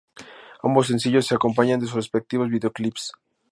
Ambos sencillos se acompañan de sus respectivos videoclips.